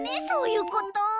そういうこと。